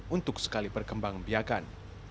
untuk sekali perkembang biakan